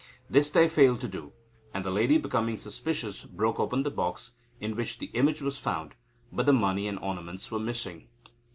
This they failed to do, and the lady, becoming suspicious, broke open the box, in which the image was found, but the money and ornaments were missing.